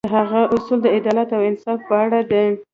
د هغه اصول د عدالت او انصاف په اړه دي.